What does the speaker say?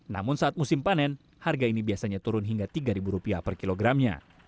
namun saat musim panen harga ini biasanya turun hingga rp tiga per kilogramnya